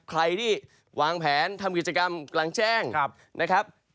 ใครที่วางแผนทำกิจกรรมกลางแจ้งนะครับ